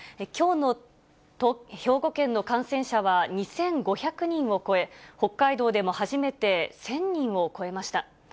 きょうの兵庫県の感染者は２５００人を超え、北海道でも初めて１０００人を超えました。